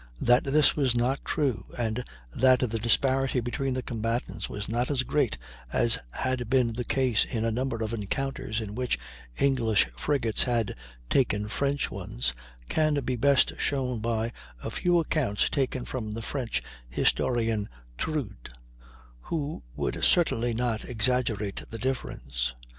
That this was not true, and that the disparity between the combatants was not as great as had been the case in a number of encounters in which English frigates had taken French ones, can be best shown by a few accounts taken from the French historian Troude, who would certainly not exaggerate the difference.